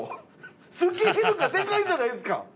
スケールがデカいじゃないですか！